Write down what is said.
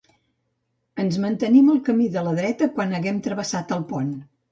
Ens mantenim al camí de la dreta quan haguem travessat el pont.